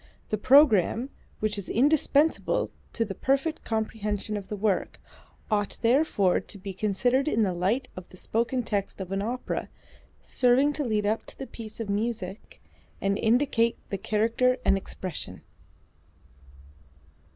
The programme (which is indispensable to the perfect comprehension of the work) ought therefore to be considered in the light of the spoken text of an opera, serving to lead up to the piece of music, and indicate the character and expression."